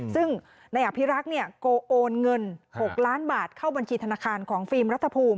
ซึ่งนายอภิรักษ์เนี่ยโกโอนเงิน๖ล้านบาทเข้าบัญชีธนาคารของฟิล์มรัฐภูมิ